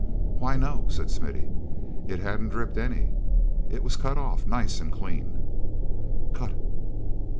"Why, no," said Smithy. "It hadn't dripped any; it was cut off nice and clean." "Cut!"